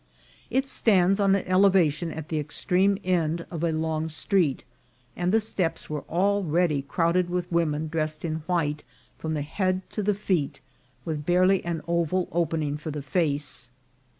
It stands on an elevation at the extreme end of a long street, and the steps were already crowded with women dressed in white from the head to the feet, with barely an oval opening for the face.